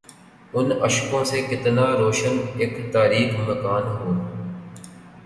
ان اشکوں سے کتنا روشن اک تاریک مکان ہو